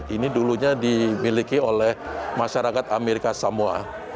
ini dulunya dimiliki oleh masyarakat amerika samoa